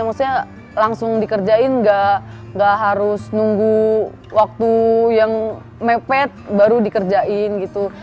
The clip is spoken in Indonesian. maksudnya langsung dikerjain nggak harus nunggu waktu yang mepet baru dikerjain gitu